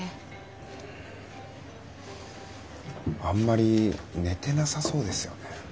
あんまり寝てなさそうですよね。